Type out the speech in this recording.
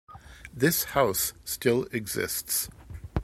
This house still exists.